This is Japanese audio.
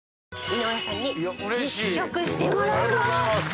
井上さんに実食してもらいます。